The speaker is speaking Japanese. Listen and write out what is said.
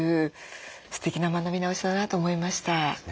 すてきな学び直しだなと思いました。